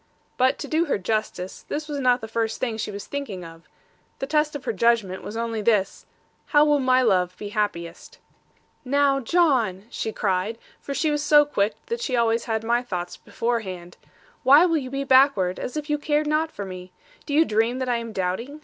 But to do her justice, this was not the first thing she was thinking of: the test of her judgment was only this, 'How will my love be happiest?' 'Now, John,' she cried; for she was so quick that she always had my thoughts beforehand; 'why will you be backward, as if you cared not for me? Do you dream that I am doubting?